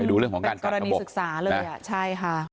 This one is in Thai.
ไปดูเรื่องของการต่างกระบบเป็นกรณีศึกษาเลยใช่ค่ะ